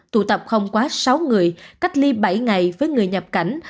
tụ tập không quá sáu người cách ly bảy ngày với người nhập cảnh